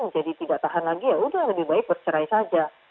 jadi tidak tahan lagi ya sudah lebih baik bercerai saja